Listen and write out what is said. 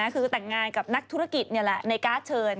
คือแต่งงานกับนักธุรกิจนี่แหละในการ์ดเชิญ